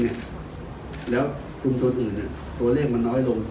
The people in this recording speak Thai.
แล้วหัวโรคปรุงตนอื่นตั๋วเลขมันน้อยลง